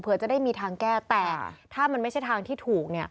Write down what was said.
เพื่อจะได้มีทางแก้แต่ถ้ามันไม่ใช่ทางที่ถูกเนี่ย